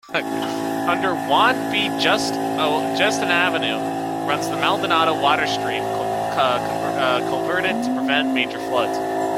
Under Juan B. Justo avenue runs the Maldonado waterstream, culverted to prevent major floods.